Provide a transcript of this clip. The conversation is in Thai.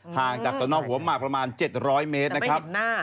แต่ไม่เห็นหน้า